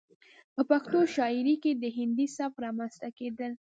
،په پښتو شاعرۍ کې د هندي سبک رامنځته کېدل